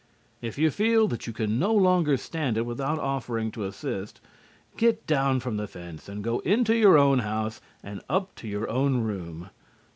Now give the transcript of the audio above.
If you feel that you can no longer stand it without offering to assist, get down from the fence and go into your own house and up to your own room.